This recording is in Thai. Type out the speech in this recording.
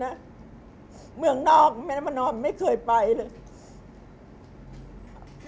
เดี๋ยวเป็นนางน้องแม่แม่น้องไม่เคยไปเลย